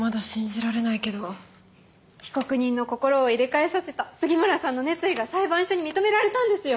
被告人の心を入れ替えさせた杉村さんの熱意が裁判所に認められたんですよ。